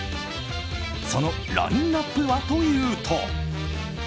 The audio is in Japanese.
そのラインアップはというと。